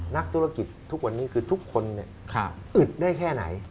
นักธุรกิจทุกวันนี้คือทุกคนอึดได้แค่ไหน